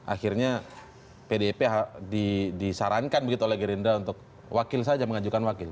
akhirnya pdib disarankan begitu oleh geri indra untuk wakil saja mengajukan wakil